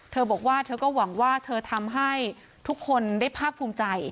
เธอบอกว่าเธอก็หวังว่าเธอทำให้ทุกคนได้ภาคภูมิใจ